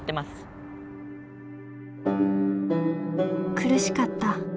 苦しかった。